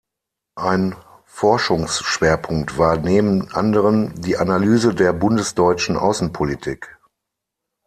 Ein Forschungsschwerpunkt war neben anderen die Analyse der bundesdeutschen Außenpolitik.